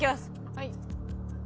はい。